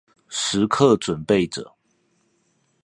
時刻準備著